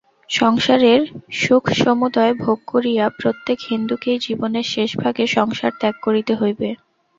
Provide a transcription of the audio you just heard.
সংসারের সুখসমুদয় ভোগ করিয়া প্রত্যেক হিন্দুকেই জীবনের শেষভাগে সংসার ত্যাগ করিতে হইবে।